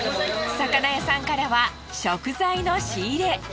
魚屋さんからは食材の仕入れ。